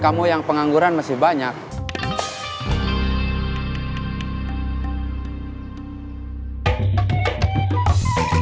kan teman teman saya masih ada yang mau datang